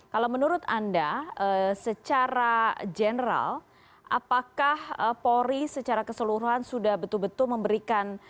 kalau menurut anda secara general apakah polri secara keseluruhan sudah betul betul memberikan